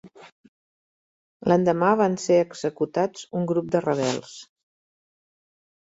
L'endemà van ser executats un grup de rebels.